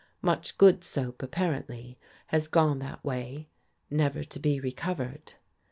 Much good soap, apparently, has gone that way, never to be recovered.